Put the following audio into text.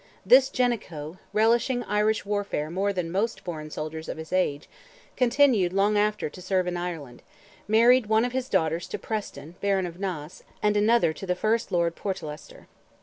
This Jenico, relishing Irish warfare more than most foreign soldiers of his age, continued long after to serve in Ireland—married one of his daughters to Preston, Baron of Naas, and another to the first Lord Portlester.